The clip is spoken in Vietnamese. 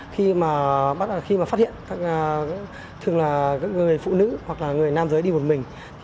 khi mà phát hiện thường là người phụ nữ hoặc là người nam giới đi một mình